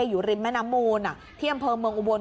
อยู่ริมแม่น้ำมูลที่อำเภอเมืองอุบล